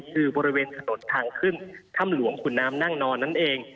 คือบริเวณถนนทางขึ้นถ้ำหลวงขุนน้ำนั่งนอนนั่นเอง